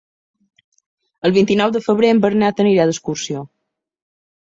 El vint-i-nou de febrer en Bernat anirà d'excursió.